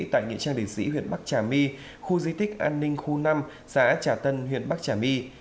tại nghĩa trang liệt sĩ huyện bắc trà my khu di tích an ninh khu năm xã trà tân huyện bắc trà my